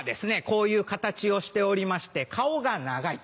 こういう形をしておりまして顔が長い。